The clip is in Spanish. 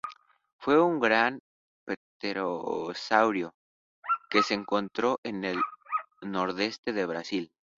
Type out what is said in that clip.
Fue un gran pterosaurio que se encontró en el nordeste de Brasil.